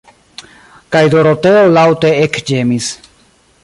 Kaj Doroteo laŭte ekĝemis.